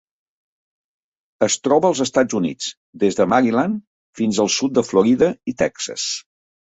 Es troba als Estats Units: des de Maryland fins al sud de Florida i Texas.